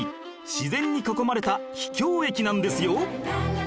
自然に囲まれた秘境駅なんですよ